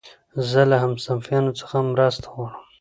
زه له همصنفيانو څخه مرسته غواړم.